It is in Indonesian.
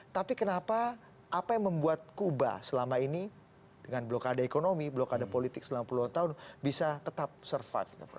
tapi kenapa apa yang membuat kuba selama ini dengan blokade ekonomi blokade politik selama puluhan tahun bisa tetap survive